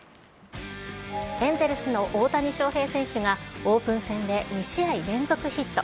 エンゼルスの大谷翔平選手がオープン戦で２試合連続ヒット。